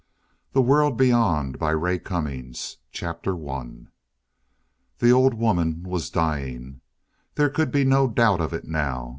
] THE WORLD BEYOND By RAY CUMMINGS The old woman was dying. There could be no doubt of it now.